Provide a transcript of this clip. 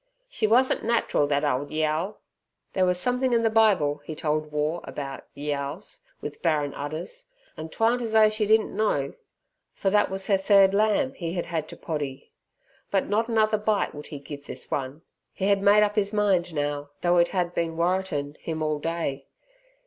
"She wusn't nat'ral, thet ole yeo." There was something in the Bible, he told War, about "yeos" with barren udders. "An' 'twarn't as though she didn't know." For that was her third lamb he had had to poddy. But not another bite would he give this one. He had made up his mind now, though it had been "worritin'" him all day.